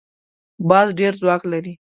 باز ډېر ځواک لري